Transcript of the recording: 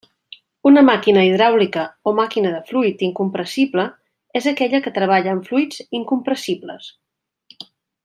Una màquina hidràulica o màquina de fluid incompressible és aquella que treballa amb fluids incompressibles.